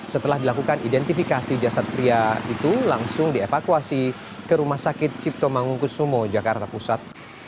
setelah dilakukan identifikasi jasad pria itu langsung dievakuasi ke rumah sakit cipto mangunkusumo jakarta pusat